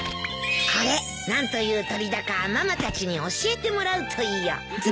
これ何という鳥だかママたちに教えてもらうといいよ。